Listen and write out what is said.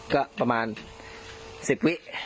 ก็ประมาณ๑๐วิ